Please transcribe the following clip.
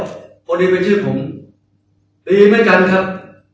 คนนี้เป็นชื่อผมดีไม่ทันครับ